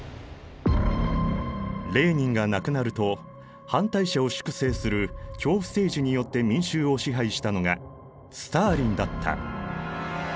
レーニンが亡くなると反対者を粛清する恐怖政治によって民衆を支配したのがスターリンだった。